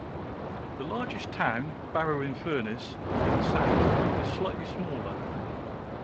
The largest town, Barrow-in-Furness, in the south, is slightly smaller.